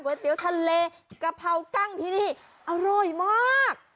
เตี๋ยวทะเลกะเพรากั้งที่นี่อร่อยมาก